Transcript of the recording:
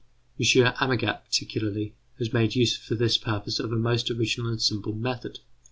M. Amagat, particularly, has made use for this purpose of a most original and simple method.